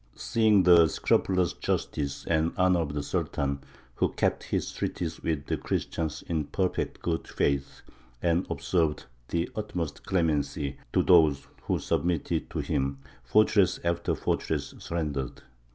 Seeing the scrupulous justice and honour of the Sultan, who kept his treaties with the Christians in perfect good faith, and observed the utmost clemency to those who submitted to him, fortress after fortress surrendered.